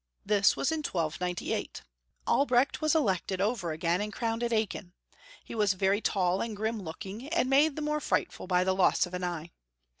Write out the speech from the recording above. This was in 1298. Albreeht was elected over again and crowned at Aachen. He was very taU and grim looking, and made the more frightful by the loss of an eye.